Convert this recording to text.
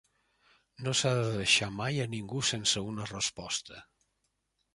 No s'ha de deixar mai a ningú sense una resposta.